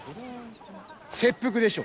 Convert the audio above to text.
切腹でしょ！